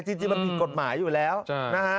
จริงมันผิดกฎหมายอยู่แล้วนะฮะ